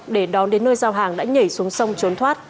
để đón đến nơi giao hàng đã nhảy xuống sông trốn thoát